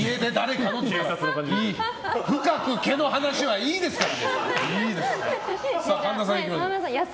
深く毛の話はいいですから。